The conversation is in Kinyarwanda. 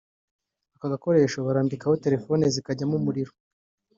Aka gakoresho barambikaho telefoni zikajyamo umuriro